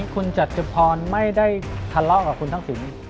คุณจัดจุพรไม่ได้ทะเลาะกับคุณทักศิลป์อีก